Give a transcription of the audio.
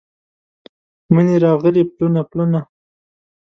مني راغلي پلونه، پلونه